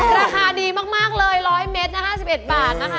ราคาดีมากเลย๑๐๐เมตรนะคะ๕๑บาทนะคะ